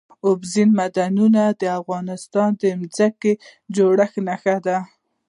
اوبزین معدنونه د افغانستان د ځمکې د جوړښت نښه ده.